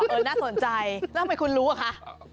น่าสนใจแล้วทำไมคุณรู้อะคะ